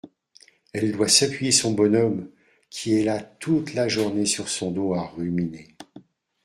Elle doit s’appuyer son bonhomme, qui est là toute la journée sur son dos, à ruminer.